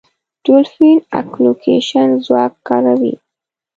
ډولفین اکولوکېشن ځواک کاروي.